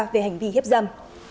về hành vi hiếp dầm